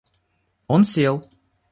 Он сел.